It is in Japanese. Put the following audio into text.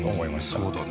そうだね。